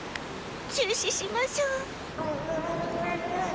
中止しましょう。